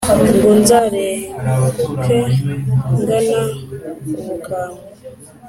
ngo nzarenguke ngana ubukambwe